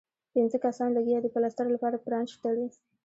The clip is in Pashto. پنځۀ کسان لګيا دي پلستر لپاره پرانچ تړي